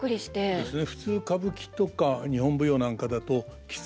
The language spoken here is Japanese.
そうですね。